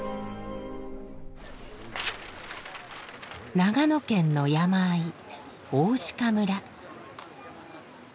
長野県の山あい大鹿村。